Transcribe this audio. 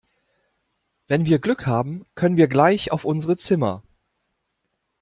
Wenn wir Glück haben, können wir gleich auf unsere Zimmer.